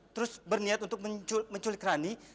terus berniat untuk menculik rani